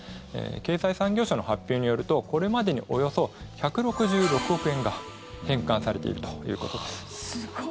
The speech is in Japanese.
経済産業省の発表によるとこれまでにおよそ１６６億円が返還されているということです。